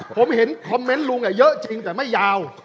ผมเห็นคอมเมนต์ลุงเยอะจริงแต่ไม่ยาว